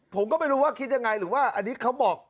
ผมก็ไม่รู้ว่าคิดยังไงหรือว่าอันนี้เขาบอก